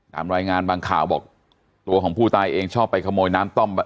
ตามรายงานบางข่าวบอกตัวของผู้ตายเองชอบไปขโมยน้ำต้ม